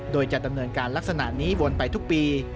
โดยจะดำเนินการลักษณะนี้วนไปทุกปี